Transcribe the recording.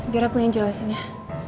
biar aku yang jelasinnya